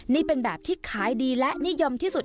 นี่เป็นแบบที่ขายดีและนิยมที่สุด